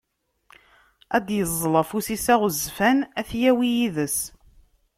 Ad d-yeẓẓel afus-is aɣezzfan ad t-yawi yid-s.